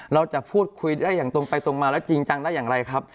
เราจะพูดคุยได้อย่างตรงไปตรงมาแล้วจริงจังได้อย่างไรครับ